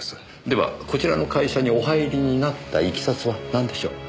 ではこちらの会社にお入りになったいきさつはなんでしょう？